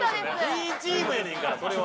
ＤＥＡＮチームやねんからそれは。